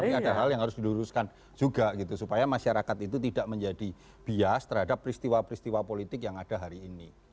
ini ada hal yang harus diluruskan juga gitu supaya masyarakat itu tidak menjadi bias terhadap peristiwa peristiwa politik yang ada hari ini